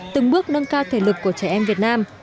từng bước nâng cao thể lực của trẻ em việt nam